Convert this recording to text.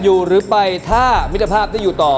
อยู่หรือไปถ้ามิตรภาพจะอยู่ต่อ